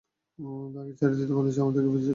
তাকে ছেড়ে দিতে বলেছে, আমাদেরকে ফিরে যেতে হবে।